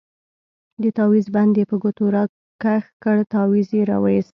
د تاويز بند يې په ګوتو راكښ كړ تاويز يې راوايست.